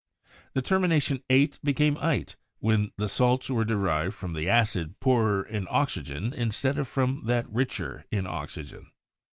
The termi nation 'ate' became 'ite' when the salts were derived from the acid poorer in oxygen instead of from that richer in oxygen.